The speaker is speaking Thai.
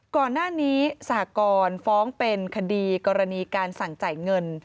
ก่อนหน้านี้สหกรณ์ฟ้องเป็นคดีกรณีการสั่งจ่ายเงิน